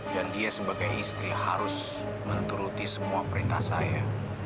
dan dia sebagai istri harus menturuti semua perintah saya